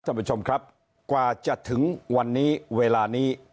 ท่านผู้ชมครับกว่าจะถึงวันนี้เวลานี้